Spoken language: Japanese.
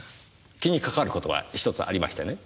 気にかかることがひとつありましてね。